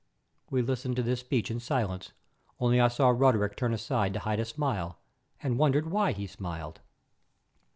We listened to this speech in silence, only I saw Roderick turn aside to hide a smile and wondered why he smiled.